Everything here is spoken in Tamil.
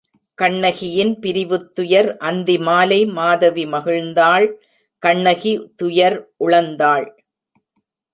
கண்ணகியின் பிரிவுத் துயர் அந்தி மாலை மாதவி மகிழ்ந்தாள் கண்ணகி துயர் உழந்தாள்.